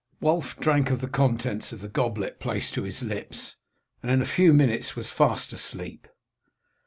Wulf drank off the contents of the goblet placed to his lips, and in a few minutes was fast asleep.